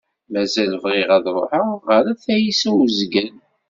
Mazal bɣiɣ ad ṛuḥeɣ ɣer At Ɛisa Uzgan.